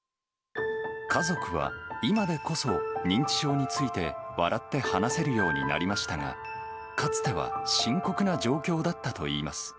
家族は、今でこそ認知症について、笑って話せるようになりましたが、かつては深刻な状況だったといいます。